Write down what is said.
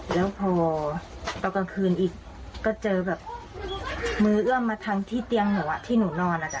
แล้วพอตอนกลางคืนอีกก็เจอแบบมือเอื้อมมาทางที่เตียงหนูที่หนูนอน